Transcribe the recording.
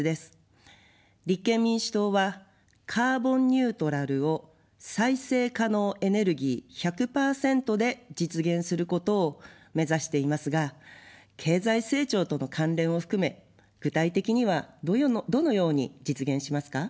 立憲民主党はカーボンニュートラルを再生可能エネルギー１００％で実現することを目指していますが、経済成長との関連を含め具体的にはどのように実現しますか。